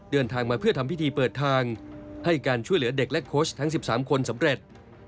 เดินทางมาเพื่อทำพิธีเปิดทางให้การช่วยเหลือเด็กและโค้ชทั้ง๑๓คนสำเร็จ